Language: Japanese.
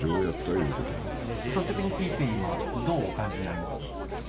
率直に聞いて、今、どうお感じになりますか？